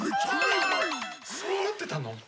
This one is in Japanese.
そうなってたの？